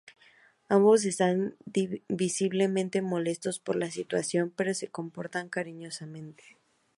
Ambos están visiblemente molestos por la situación pero se comportan cariñosamente.